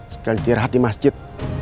sekalian istirahat di masjid